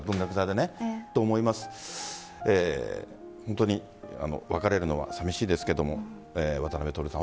本当に別れるのは寂しいですが渡辺徹さん